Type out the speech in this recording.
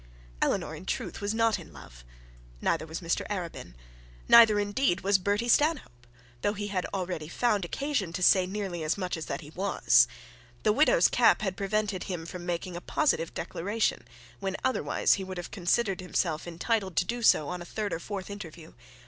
Eleanor, in truth, was not in love; neither was Mr Arabin. Neither indeed was Bertie Stanhope, though he had already found occasion to say nearly as much as that he was. The widow's cap had prevented him from making a positive declaration, when otherwise he would have considered himself entitled to do so on a third or fourth interview.